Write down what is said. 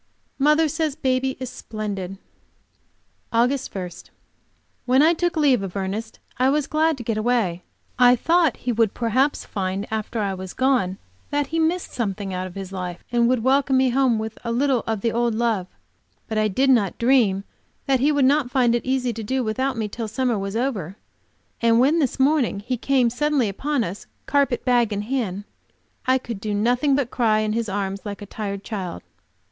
Mother says baby is splendid. AUGUST 1. When I took leave of Ernest I was glad to get away. I thought he would perhaps find after I was gone that he missed something out of his life and would welcome me home with a little of the old love. But I did not dream that he would not find it easy to do without me till summer was over, and when, this morning, he came suddenly upon us, carpet bag in hand, I could do nothing but cry in his arms like a tired child.